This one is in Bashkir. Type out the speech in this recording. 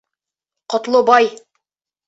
Ҡотлобай